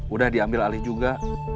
udah diambil alih juga